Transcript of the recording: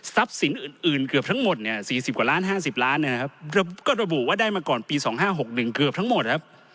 สินอื่นเกือบทั้งหมดเนี่ย๔๐กว่าล้าน๕๐ล้านนะครับก็ระบุว่าได้มาก่อนปี๒๕๖๑เกือบทั้งหมดครับ